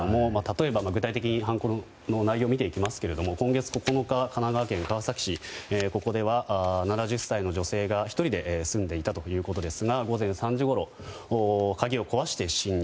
具体的に内容見ていきますが今月９日神奈川県川崎市では７０歳の女性が１人で住んでいたということですが午前３時ごろ、鍵を壊して侵入。